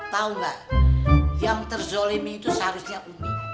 tau nggak yang terzalimi itu seharusnya umi